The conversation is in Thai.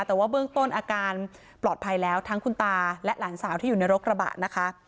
แต่ว่าเบื้องต้นอาการปลอดภัยแล้วทั้งคุณตาและหลานสาวที่อยู่ในรถกระบะนะคะ